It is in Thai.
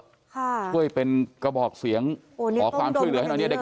ค่ะกล้วยเป็นกระบอกเสียงออกความช่วยเหลือดอกเราอย่างงี้